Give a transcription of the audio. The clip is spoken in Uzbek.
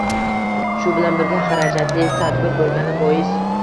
shu bilan birga, xarajatli tadbir bo‘lgani bois